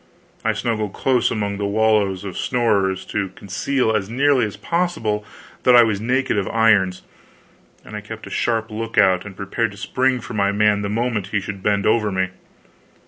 I snuggled close among the wallow of snorers, to conceal as nearly as possible that I was naked of irons; and I kept a sharp lookout and prepared to spring for my man the moment he should bend over me.